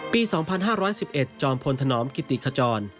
ปี๒๕๑๑จอมพลธนอมกิติขจร